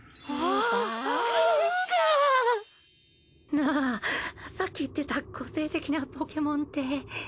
なあさっき言ってた個性的なポケモンって。